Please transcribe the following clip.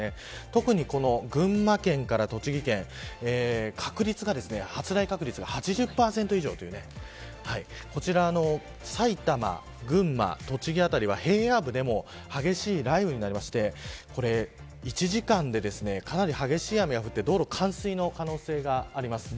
特に群馬県から栃木県発雷確率が８０％以上というこちら埼玉、群馬、栃木辺りは平野部でも激しい雷雨になりまして１時間でかなり激しい雨が降って道路が冠水の可能性があります。